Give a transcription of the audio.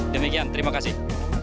demikian terima kasih